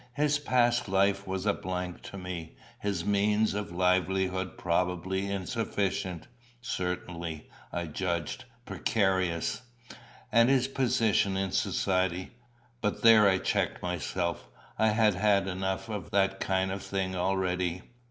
His past life was a blank to me; his means of livelihood probably insufficient certainly, I judged, precarious; and his position in society but there I checked myself: I had had enough of that kind of thing already.